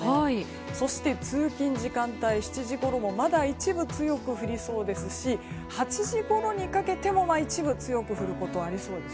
そして、通勤時間帯７時ごろもまだ一部強く降りそうですし８時ごろにかけても一部、強く降ることがありそうです。